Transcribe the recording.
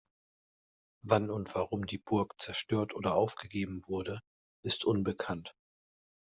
Wann und warum die Burg zerstört oder aufgegeben wurde, ist unbekannt.